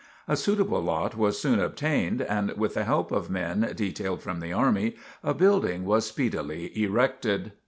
A suitable lot was soon obtained and with the help of men detailed from the army, a building was speedily erected.